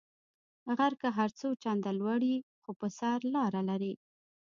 غر که هر څونده لوړ یی خو پر سر لاره لری